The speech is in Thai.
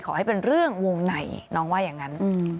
ขอให้เป็นเรื่องวงในน้องว่าอย่างนั้น